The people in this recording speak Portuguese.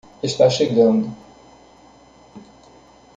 Está chegando.